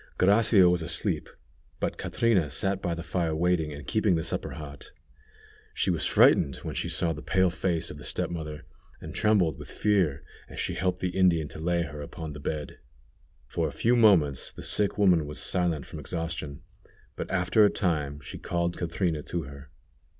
Gracia was asleep, but Catrina sat by the fire waiting, and keeping the supper hot. She was frightened when she saw the pale face of the step mother, and trembled with fear as she helped the Indian to lay her upon the bed. For a few moments the sick woman was silent from exhaustion, but after a time she called Catrina to her.